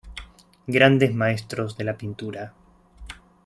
Grandes Maestros de la pintura.